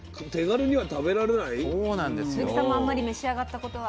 鈴木さんもあんまり召し上がったことは。